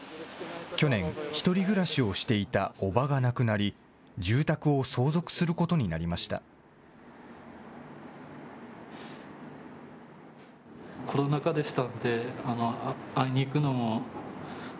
去年、１人暮らしをしていた叔母が亡くなり、住宅を相続することになりました。